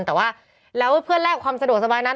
แต่ว่าแล้วเพื่อแลกความสะดวกสบายนะ